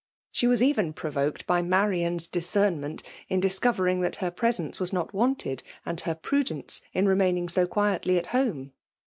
She was eren provoked by Marian's discernment in discover PBWkLB DOMmATIOK, 63 ing tliat her presence was not wanted, and her pradoKce in remaining^ so qaietly at home.